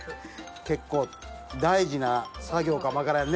結構大事な作業かも分からんね